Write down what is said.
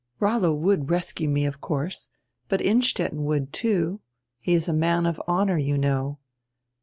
"Rollo would rescue me, of course, but Innstetten would, too. He is a man of honor, you know."